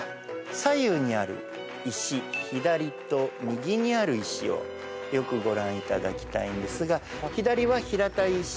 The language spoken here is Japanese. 左右にある石左と右にある石をよくご覧いただきたいんですが左は平たい石。